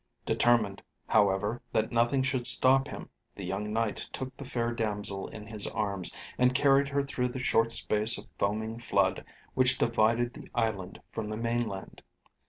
Determined, however, that nothing should stop him, the young Knight took the fair damsel in his arms, and carried her through the short space of foaming flood, which divided the island from the mainland.